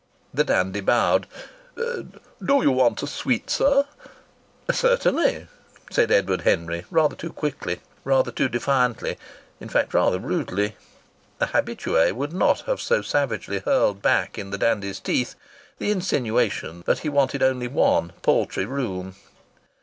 The dandy bowed. "Do you want a suite, sir?" "Certainly!" said Edward Henry. Rather too quickly, rather too defiantly; in fact, rather rudely! A habitué would not have so savagely hurled back in the dandy's teeth the insinuation that he wanted only one paltry room.